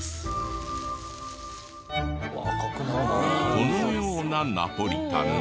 このようなナポリタンに。